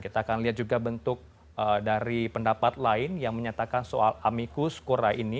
kita akan lihat juga bentuk dari pendapat lain yang menyatakan soal amikus kura ini